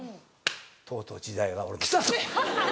とうとう時代が俺の。来たと。